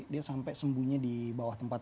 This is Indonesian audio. dia sampai sembunyi di bawah tempatnya